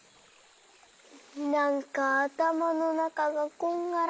なんかあたまのなかがこんがらがって。